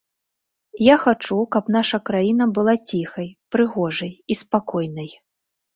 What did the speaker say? Я хачу, каб наша краіна была ціхай, прыгожай і спакойнай.